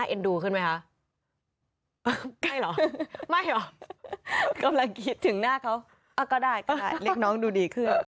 ก็ได้เล็กน้องดูดีขึ้น